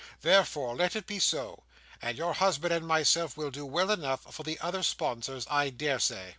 Therefore let it be so; and your husband and myself will do well enough for the other sponsors, I daresay."